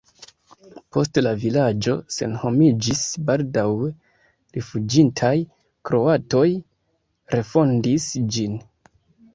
Poste la vilaĝo senhomiĝis, baldaŭe rifuĝintaj kroatoj refondis ĝin.